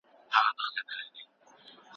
د خامو موادو تولید دود دی.